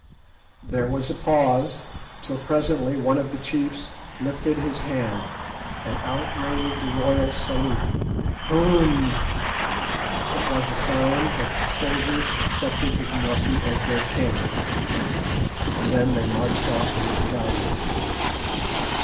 There was a pause, till presently one of the chiefs lifted his hand, and out rolled the royal salute, "Koom." It was a sign that the soldiers accepted Ignosi as their king. Then they marched off in battalions.